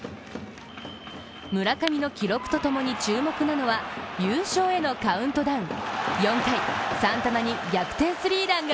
村上の記録と共に注目なのは優勝へのカウントダウン。